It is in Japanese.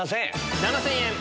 ７０００円。